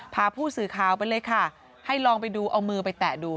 พาผู้สื่อข่าวไปเลยค่ะให้ลองไปดูเอามือไปแตะดู